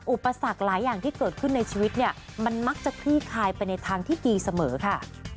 อุปสรรคหลายอย่างที่เกิดขึ้นในชีวิตเนี่ยมันมักจะคลี่คลายไปในทางที่ดีเสมอค่ะ